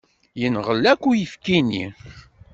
Yenɣel akk uyefki-nni.